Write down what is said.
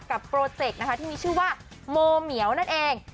โปรเจกต์นะคะที่มีชื่อว่าโมเหมียวนั่นเอง